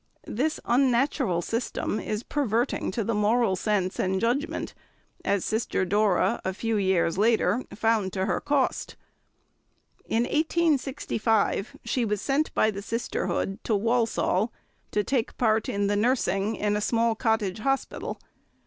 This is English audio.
This unnatural system is perverting to the moral sense and judgment, as Sister Dora, a few years later, found to her cost. In 1865 she was sent by the sisterhood to Walsall, to take part in the nursing in a small cottage hospital.